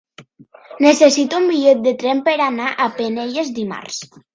Necessito un bitllet de tren per anar a Penelles dimarts.